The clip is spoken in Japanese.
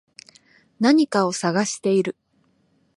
何かを探している